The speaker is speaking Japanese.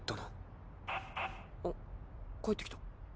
おっ返ってきた。